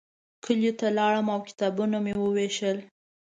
کلیو ته لاړم او کتابونه مې ووېشل.